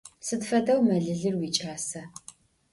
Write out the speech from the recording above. Sıd fedeu melılır vuiç'asa?